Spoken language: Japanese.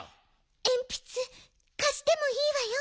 えんぴつかしてもいいわよ。